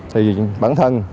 thì bản thân